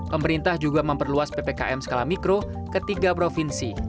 pemerintah juga memperluas ppkm skala mikro ke tiga provinsi